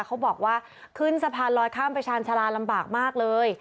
เขาบอกว่าขึ้นสะพานลอยข้ามไปชาญชาลาลำบากมากเลย